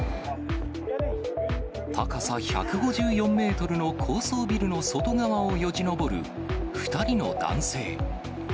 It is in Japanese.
高さ１５４メートルの高層ビルの外側をよじ登る２人の男性。